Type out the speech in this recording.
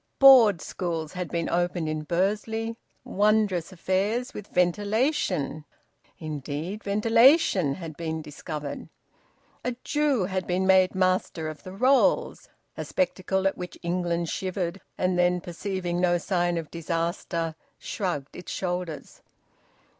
Board schools had been opened in Bursley, wondrous affairs, with ventilation; indeed ventilation had been discovered. A Jew had been made Master of the Rolls: a spectacle at which England shivered, and then, perceiving no sign of disaster, shrugged its shoulders.